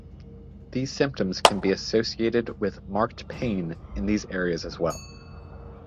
These symptoms can be associated with marked pain in these areas as well.